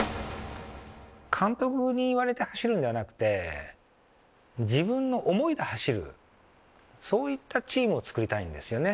監督に言われて走るんではなくて、自分の思いで走る、そういったチームを作りたいんですよね。